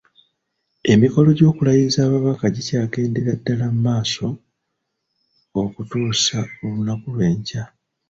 Emikolo gy’okulayiza ababaka gikyagendera ddala mu maaso okutuusa olunaku olw’enkya.